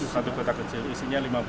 satu kotak kecil isinya rp lima puluh